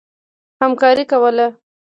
همکاري کوله.